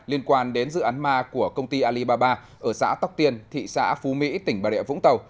liên quan đến dự án ma của công ty alibaba ở xã tóc tiên thị xã phú mỹ tỉnh bà rịa vũng tàu